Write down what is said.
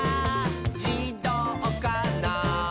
じどうかな？」